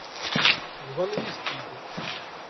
Bḍan-iyi-t-id.